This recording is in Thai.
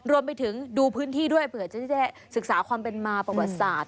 รวมไปถึงดูพื้นที่ด้วยเผื่อจะได้ศึกษาความเป็นมาประวัติศาสต